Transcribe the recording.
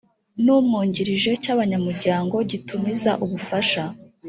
n umwungirije cy abanyamuryango gitumiza ubufasha